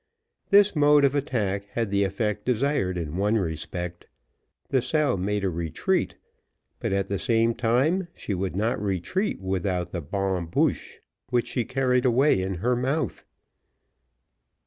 This mode of attack had the effect desired in one respect; the sow made a retreat, but at the same time she would not retreat without the bonne bouche, which she carried away in her mouth.